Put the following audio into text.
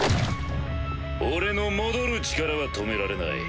俺の戻る力は止められない。